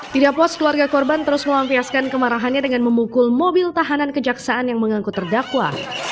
tidak puas keluarga korban terus melampiaskan kemarahannya dengan memukul mobil tahanan kejaksaan yang mengangkut terdakwa